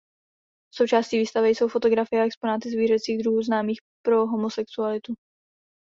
Součástí výstavy jsou fotografie a exponáty zvířecích druhů známých pro homosexualitu.